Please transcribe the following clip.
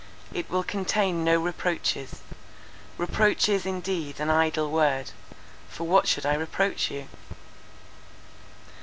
It will contain no reproaches. Reproach is indeed an idle word: for what should I reproach you?